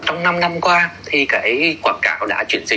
trong năm năm qua thì cái quảng cáo đã chuyển dịch